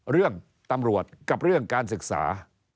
เรื่องตำรวจกับเรื่องการศึกษา